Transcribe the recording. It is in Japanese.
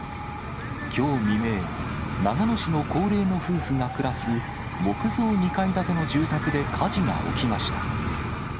きょう未明、長野市の高齢の夫婦が暮らす木造２階建ての住宅で火事が起きました。